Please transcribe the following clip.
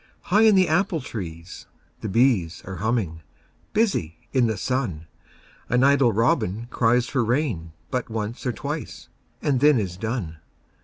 High in the apple trees the bees Are humming, busy in the sun, An idle robin cries for rain But once or twice and then is done.